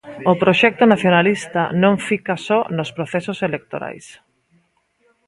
"O proxecto nacionalista non fica só nos procesos electorais".